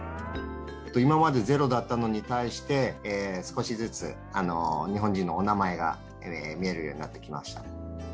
今までゼロだったのに対して、少しずつ、日本人のお名前が見えるようになってきました。